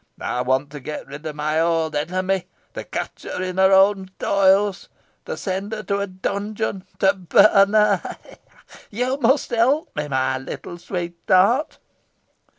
I want to get rid of my old enemy to catch her in her own toils to send her to a dungeon to burn her ha! ha! You must help me, my little sweetheart."